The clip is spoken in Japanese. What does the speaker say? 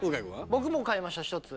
僕も買いました１つ。